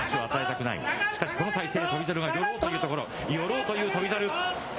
しかしこの体勢で、翔猿が寄ろうというところ、寄ろうという翔猿。